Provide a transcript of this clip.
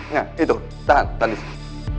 nah itu tahan tahan disini